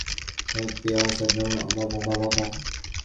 এটা অসাধারণ ছিল!